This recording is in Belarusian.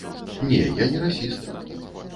Не, я не расіст.